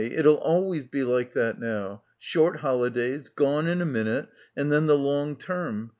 It'll always be like that now. Short holidays, gone in a minute, and then the long term.